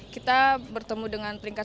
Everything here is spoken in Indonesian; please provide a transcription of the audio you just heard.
kita bertemu dengan peringkat